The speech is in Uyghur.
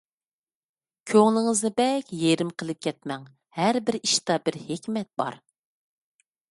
كۆڭلىڭىزنى بەك يېرىم قىلىپ كەتمەڭ، ھەربىر ئىشتا بىر ھېكمەت بار.